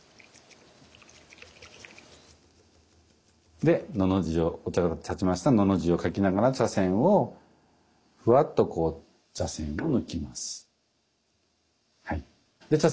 で「の」の字をお茶が点ちましたら「の」の字を書きながら茶筅をふわっとこう茶筅を抜きます。